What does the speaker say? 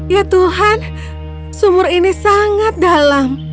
ya tuhan sumur ini sangat dalam